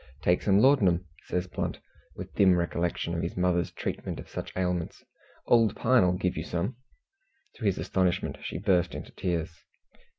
"Take some laudanum," says Blunt, with dim recollections of his mother's treatment of such ailments. "Old Pine'll give you some." To his astonishment she burst into tears.